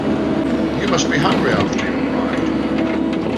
You must be hungry after your ride.